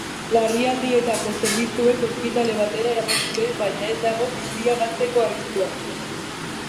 Larrialdietako zerbitzuek ospitale batera eraman dute, baina ez dago bizia galtzeko arriskuan.